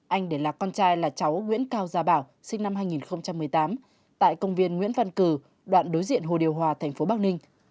anh để lạc con trai là cháu nguyễn cao gia bảo sinh năm hai nghìn một mươi tám tại công viên nguyễn văn cử đoạn đối diện hồ điều hòa thành phố bắc ninh